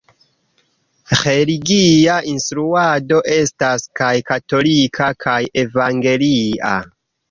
Religia instruado estas kaj katolika kaj evangelia.